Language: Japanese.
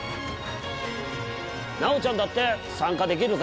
奈央ちゃんだって参加できるぜ。